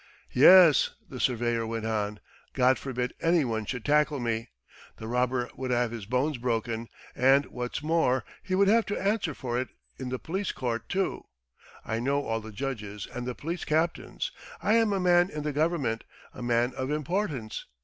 "Yes ..." the surveyor went on. "God forbid anyone should tackle me. The robber would have his bones broken, and, what's more, he would have to answer for it in the police court too. ... I know all the judges and the police captains, I am a man in the Government, a man of importance.